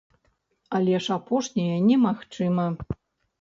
Але ж апошняе немагчыма.